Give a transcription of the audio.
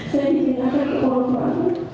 saya dibilang ke orang lain